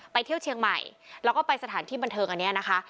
เที่ยวเชียงใหม่แล้วก็ไปสถานที่บันเทิงอันนี้นะคะ